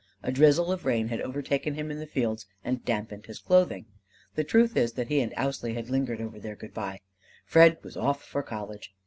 A drizzle of rain had overtaken him in the fields and dampened his clothing. The truth is that he and Ousley had lingered over their good by; Fred was off for college.